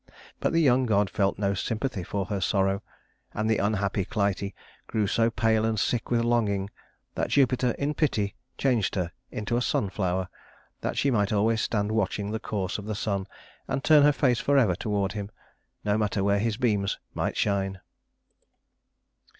But the young god felt no sympathy for her sorrow, and the unhappy Clytie grew so pale and sick with longing that Jupiter in pity changed her into a sunflower, that she might always stand watching the course of the sun, and turn her face forever toward him, no matter where his beams might shine.